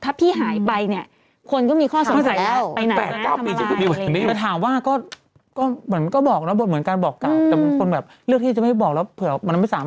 ถ้าพี่หายไปคนก็มีข้อสนใจแล้ว